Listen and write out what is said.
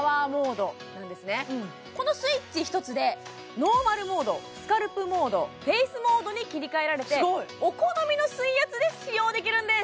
このスイッチひとつでノーマルモードスカルプモードフェイスモードに切り替えられてお好みの水圧で使用できるんです！